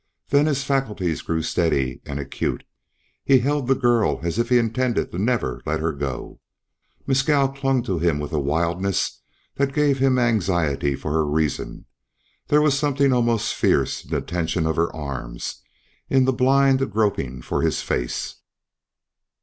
Then his faculties grew steady and acute; he held the girl as if he intended never to let her go. Mescal clung to him with a wildness that gave him anxiety for her reason; there was something almost fierce in the tension of her arms, in the blind groping for his face.